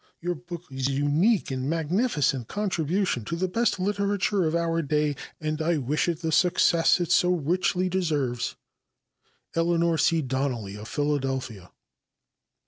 Your book is a unique and magnificent contribution to the best literature of our day, and I wish it the success it so richly deserves. Eleanor C. Donnelly, of Philadelphia.